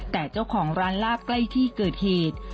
แต่เจ้าของร้านลาบใกล้ที่เกิดเหตุ